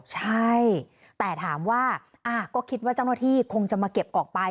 ใช่แต่ถามว่าก็คิดว่าเจ้าหน้าที่คงจะมาเก็บออกไป